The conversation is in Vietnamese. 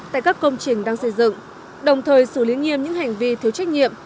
tại các công trình đang xây dựng đồng thời xử lý nghiêm những hành vi thiếu trách nhiệm